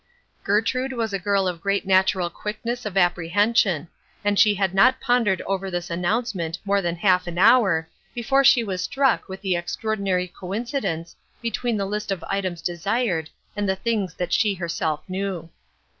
Gertrude was a girl of great natural quickness of apprehension, and she had not pondered over this announcement more than half an hour before she was struck with the extraordinary coincidence between the list of items desired and the things that she herself knew.